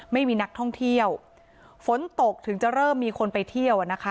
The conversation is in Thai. ไม่มีนักท่องเที่ยวฝนตกถึงจะเริ่มมีคนไปเที่ยวอ่ะนะคะ